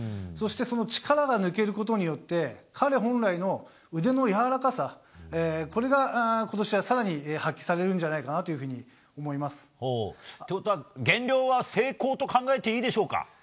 そしてその力が抜けることによって、彼本来の腕の柔らかさ、これがことしはさらに発揮されるんじゃないかなというふうに思いということは、減量は成功と考えていいでしょうか。